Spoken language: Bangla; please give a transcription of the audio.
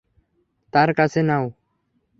তার কাছে নাও।